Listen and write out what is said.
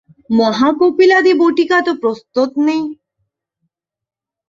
মহাকপিলাদি বটিকাতো প্রস্তুত নেই।